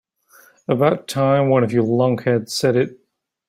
About time one of you lunkheads said it.